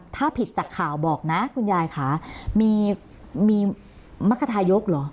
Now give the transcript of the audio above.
ถ้าผิดจากข่าวบอกนะคุณยายค่ะมีมรรคทายกเหรอ